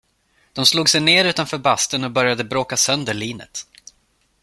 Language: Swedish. De slog sig ner utanför bastun och började bråka sönder linet.